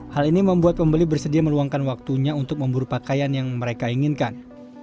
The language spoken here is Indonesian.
hal ini membuat pembeli bersedia meluangkan waktunya untuk memburu pakaian yang mereka inginkan